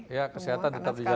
iya kesehatan tetap dijaga